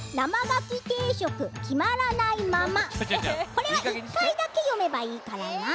これは１かいだけよめばいいからな。